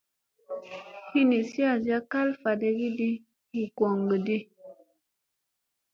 Hinsi a asi kal kalfiɗi hu goŋga di.